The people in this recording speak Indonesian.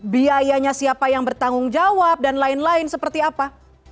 biayanya siapa yang bertanggung jawab dan lain lain seperti apa